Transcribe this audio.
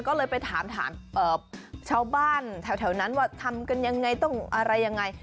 ก็เลยไปถามชาวบ้านแถวนั้นว่าทำกันอย่างไร